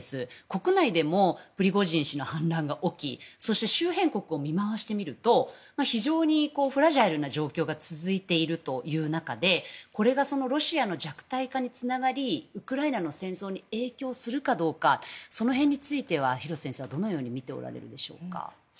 国内でもプリゴジン氏の反乱が起きそして、周辺国を見回してみると非常にフラジャイルな状況が続いているという中でこれが、ロシアの弱体化につながり、ウクライナの戦争に影響するかどうかその辺は廣瀬先生はどう見ているでしょうか。